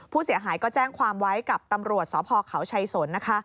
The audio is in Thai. ผู้เสียหายก็แจ้งความไว้กับตำรวจสคชัยสน